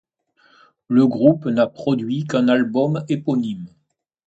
Le groupe n'a produit qu'un album éponyme.